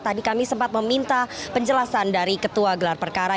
tadi kami sempat meminta penjelasan dari ketua gelar perkara